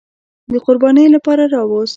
د قربانۍ لپاره راوست.